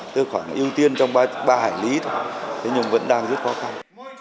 từ khoảng ưu tiên trong ba hải lý thôi thế nhưng vẫn đang rất khó khăn